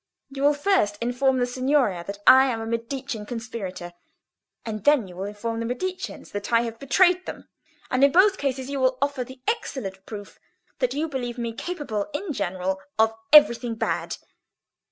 You will first inform the Signoria that I am a Medicean conspirator, and then you will inform the Mediceans that I have betrayed them, and in both cases you will offer the excellent proof that you believe me capable in general of everything bad.